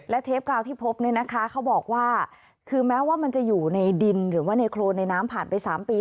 และเทปกาวที่พบเนี่ยนะคะเขาบอกว่าคือแม้ว่ามันจะอยู่ในดินหรือว่าในโครนในน้ำผ่านไป๓ปี